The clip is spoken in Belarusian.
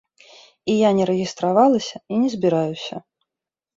І я не рэгістравалася і не збіраюся.